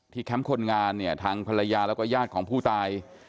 แคมป์คนงานเนี่ยทางภรรยาแล้วก็ญาติของผู้ตาย